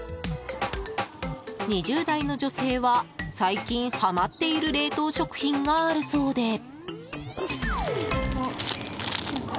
２０代の女性は最近はまっている冷凍食品があるそうで。